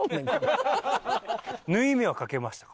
縫い目はかけましたか？